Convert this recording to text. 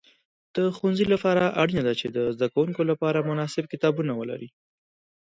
د ښوونځي لپاره اړینه ده چې د زده کوونکو لپاره مناسب کتابونه ولري.